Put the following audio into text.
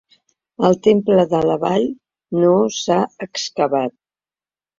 El temple de la Vall no s'ha excavat.